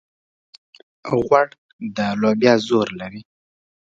غول د لوبیا زور لري.